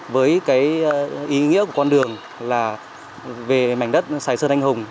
với cái ý nghĩa của con đường là về mảnh đất sài sơn anh hùng